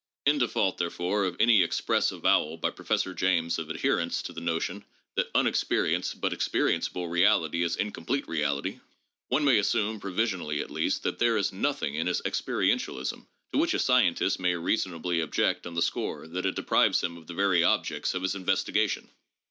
In default, therefore, of any express avowal by Professor James of adherence to the notion that unexperienced but experienceable reality is incom plete reality, one may assume, provisionally at least, that there is nothing in his experientialism to which a scientist may reasonably object on the score that it deprives him of the very objects of his investigation.